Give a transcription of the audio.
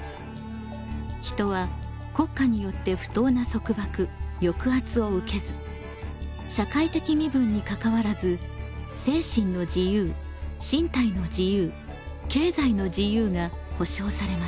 人は国家によって不当な束縛・抑圧を受けず社会的身分にかかわらず精神の自由・身体の自由・経済の自由が保障されます。